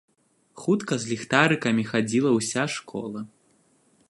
Хутка з ліхтарыкамі хадзіла ўся школа.